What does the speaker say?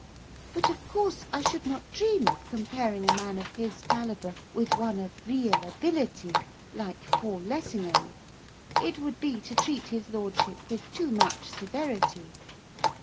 But, of course, I should not dream of comparing a man of his calibre, with one of real ability, like Paul Lessingham. It would be to treat his lordship with too much severity.